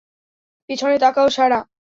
পেছনে তাকাও, সারা!